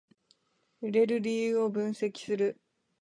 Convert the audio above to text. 売れる理由を分析する